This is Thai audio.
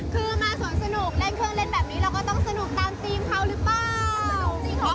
คือมาสวนสนุกเล่นเครื่องเล่นแบบนี้เราก็ต้องสนุกตามธีมเขาหรือเปล่า